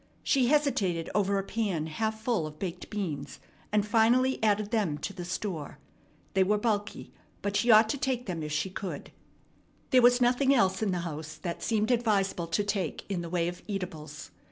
She hesitated over a pan half full of baked beans, and finally added them to the store. They were bulky, but she ought to take them if she could. There was nothing else in the house that seemed advisable to take in the way of eatables.